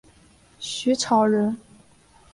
徐潮人。